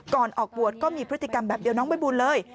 ก่อนออกบวชก็มีพฤติกรรมแบบเดียวน้องใบบุญเลย